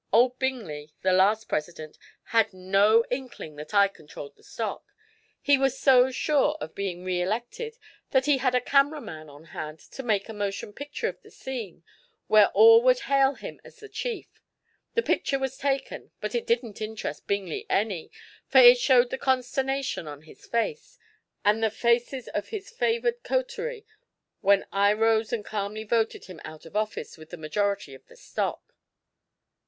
"Old Bingley, the last president, had no inkling that I controlled the stock. He was so sure of being reelected that he had a camera man on hand to make a motion picture of the scene where all would hail him as the chief. The picture was taken, but it didn't interest Bingley any, for it showed the consternation on his face, and the faces of his favored coterie, when I rose and calmly voted him out of office with the majority of the stock."